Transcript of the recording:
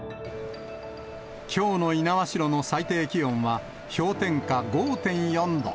きょうの猪苗代の最低気温は氷点下５．４度。